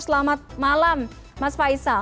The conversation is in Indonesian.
selamat malam mas faisal